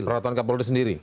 peraturan kapolri sendiri